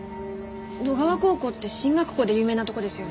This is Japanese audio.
野川高校って進学校で有名なとこですよね。